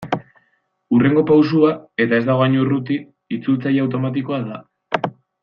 Hurrengo pausoa, eta ez dago hain urruti, itzultzaile automatikoa da.